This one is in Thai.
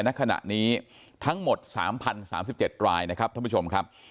ณขณะนี้ทั้งหมด๓๐๓๗รายนะครับท่านผู้ชมครับ